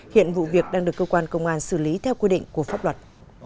hiện vụ việc đang được cơ quan công an xử lý theo quy định của pháp luật